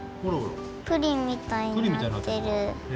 プリンみたいになってる。